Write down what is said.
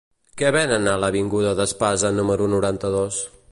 Què venen a l'avinguda d'Espasa número noranta-dos?